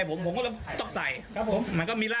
อยู่ด้านนอกเพื่อนที่นะ